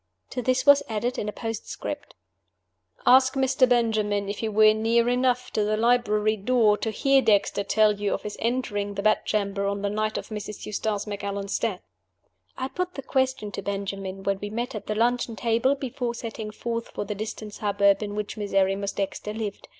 To this was added, in a postscript: "Ask Mr. Benjamin if he were near enough to the library door to hear Dexter tell you of his entering the bedchamber on the night of Mrs. Eustace Macallan's death." I put the question to Benjamin when we met at the luncheon table before setting forth for the distant suburb in which Miserrimus Dexter lived.